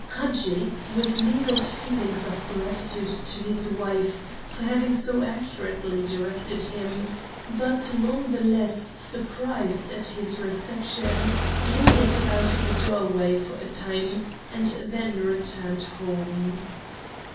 Hadji, with mingled feelings of gratitude to his wife for having so accurately directed him, but none the less surprised at his reception, lingered about the doorway for a time and then returned home.